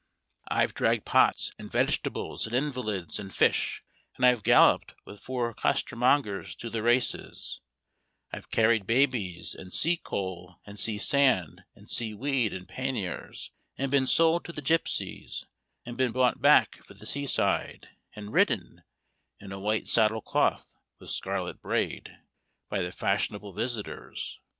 I've dragged pots, and vegetables, and invalids, and fish, and I've galloped with four costermongers to the races; I've carried babies, and sea coal, and sea sand, and sea weed in panniers, and been sold to the gypsies, and been bought back for the sea side, and ridden (in a white saddle cloth with scarlet braid) by the fashionable visitors.